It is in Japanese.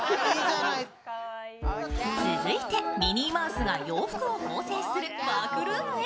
続いて、ミニーマウスが洋服を縫製するワークルームへ。